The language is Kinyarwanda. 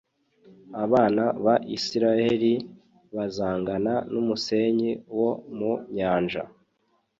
Abana ba Israheli bazangana n’umusenyi wo mu nyanja,